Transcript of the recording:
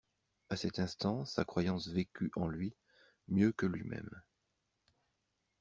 A cet instant, sa croyance vécut en lui, mieux que lui-même.